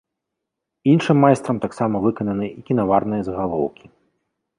Іншым майстрам таксама выкананы і кінаварныя загалоўкі.